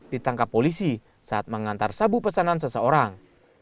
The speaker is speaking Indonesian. ditangkap polisi saat mengantar sabu pesanan seseorang